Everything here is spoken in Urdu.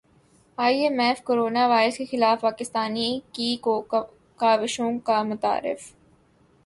ائی ایم ایف کورونا وائرس کے خلاف پاکستان کی کاوشوں کا معترف